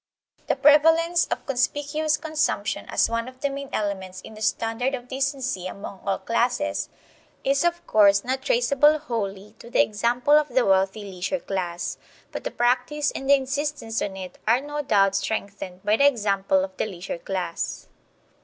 The prevalence of conspicuous consumption as one of the main elements in the standard of decency among all classes is of course not traceable wholly to the example of the wealthy leisure class, but the practice and the insistence on it are no doubt strengthened by the example of the leisure class.